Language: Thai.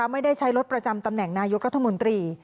ไม่ได้ใช้รถประจำตำแหน่งนายกรัฐมนตรี